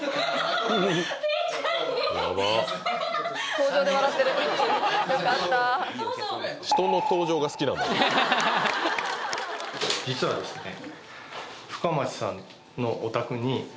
登場で笑ってるよかったどうぞ実はですねお！